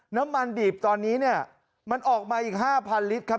น้ำมันดีบตอนนี้เนี่ยมันออกมาอีก๕๐๐ลิตรครับ